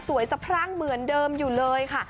สะพรั่งเหมือนเดิมอยู่เลยค่ะ